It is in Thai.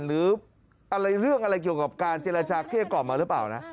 หรืออะไรเรื่องอะไรเกี่ยวกับการเจรจาเกลี้ยกล่อมมาหรือเปล่านะ